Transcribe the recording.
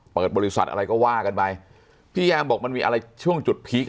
เปิดบริษัทอะไรก็ว่ากันไปพี่แอมบอกมันมีอะไรช่วงจุดพีคอ่ะ